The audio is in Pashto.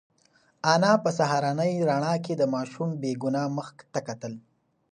انا په سهارنۍ رڼا کې د ماشوم بې گناه مخ ته کتل.